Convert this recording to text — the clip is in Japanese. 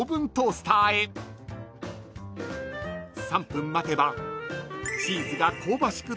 ［３分待てばチーズが香ばしく